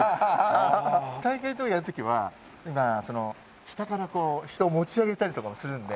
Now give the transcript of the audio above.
大会等やる時は下からこう人を持ち上げたりとかもするので。